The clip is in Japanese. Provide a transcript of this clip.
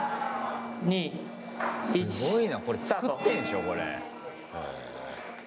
すごいな、これ作ってんでしょ、これ。